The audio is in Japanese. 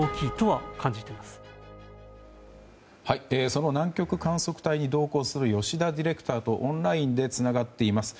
その南極観測隊に同行する吉田ディレクターとオンラインでつながっています。